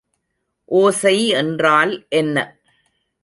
ஓசை என்றால் என்ன?